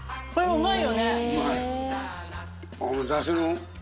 うまい！